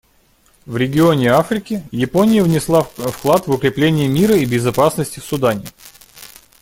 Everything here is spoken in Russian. В регионе Африки Япония внесла вклад в укрепление мира и безопасности в Судане.